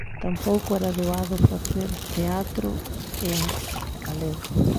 Tampouco era doado facer teatro en galego.